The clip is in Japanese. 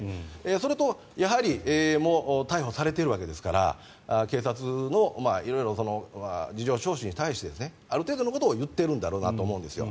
それとやはり逮捕されているわけですから警察の、色々、事情聴取に対してある程度のことを言っているんだろうなと思うんですよ。